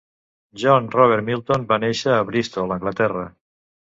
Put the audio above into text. John Robert Milton va néixer a Bristol, Anglaterra.